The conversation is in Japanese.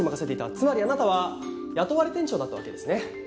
つまりあなたは雇われ店長だったわけですね？